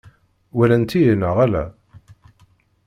Walant-iyi neɣ ala?